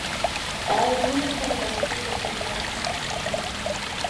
A Edu le encargaron que interpretara a un friki.